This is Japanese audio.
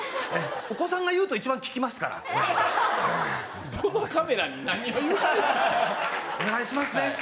お子さんが言うと一番ききますからお願いしますね